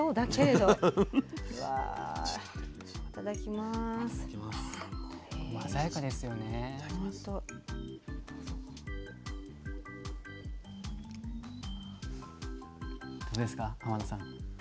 どうですか天野さん？